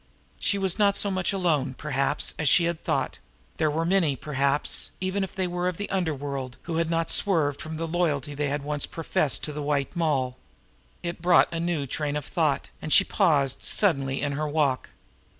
She was not so much alone, perhaps, as she had thought; there were many, perhaps, even if they were of the underworld, who had not swerved from the loyalty they had once professed to the White Moll. It brought a new train of thought, and she paused suddenly in her walk.